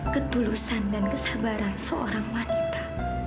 ketulusan dan kesabaran seorang wanita